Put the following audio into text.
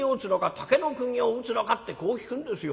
竹の釘を打つのか？』ってこう聞くんですよ。